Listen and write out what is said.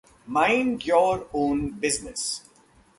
Mind Your Own Business.